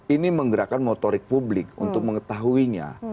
ini menggerakkan motorik publik untuk mengetahuinya